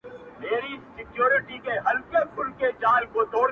هريو څاڅکی يې هلمند دی -